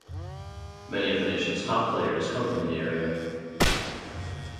Many of the nation's top players come from the area.